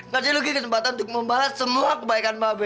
kasih lu ki kesempatan untuk membalas semua kebaikan bapak be